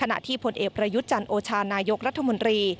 ขณะที่พลเอกปรยุทธ์จันโอชานายกรรภาห์มนรี